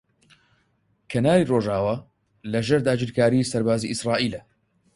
کەناری ڕۆژاوا لەژێر داگیرکاریی سەربازیی ئیسرائیلە.